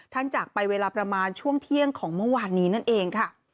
จากไปเวลาประมาณช่วงเที่ยงของเมื่อวานนี้นั่นเองค่ะ